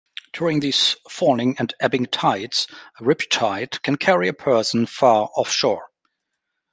During these falling and ebbing tides, a riptide can carry a person far offshore.